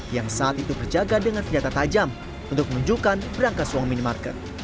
yang saat itu berjaga dengan senjata tajam untuk menunjukkan berangkas uang minimarket